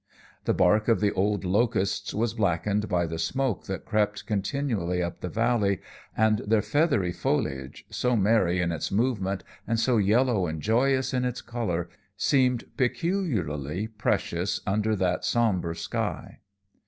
The bark of the old locusts was blackened by the smoke that crept continually up the valley, and their feathery foliage, so merry in its movement and so yellow and joyous in its color, seemed peculiarly precious under that somber sky.